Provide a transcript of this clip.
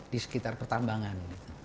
di sekitar pertambangan